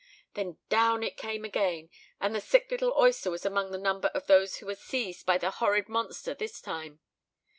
Then down it came again, and the sick little oyster was among the number of those who were seized by the horrid monster this time.